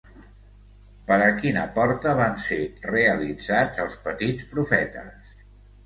Per a quina porta van ser realitzats els Petis profetes?